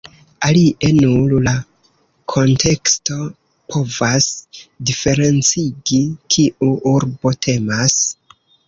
Alie, nur la konteksto povas diferencigi, kiu urbo temas.